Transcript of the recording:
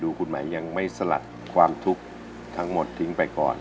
คุณหมายยังไม่สลัดความทุกข์ทั้งหมดทิ้งไปก่อน